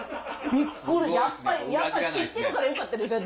これやっぱり知ってるからよかったですよ